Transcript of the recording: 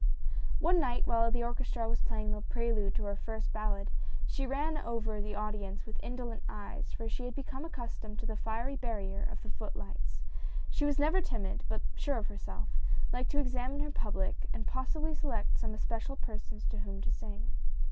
O NE night, while the orchestra was playing the prelude to her first ballad, she ran over the audi ence with indolent eyes, for she had become accustomed to the fiery barrier of the foot lights. She was never timid, but sure of herself, liked to examine her public and possibly select some especial persons to whom to sing.